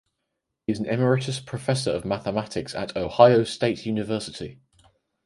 He is an Emeritus Professor of Mathematics at Ohio State University.